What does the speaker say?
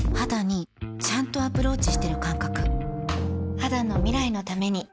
肌の未来のために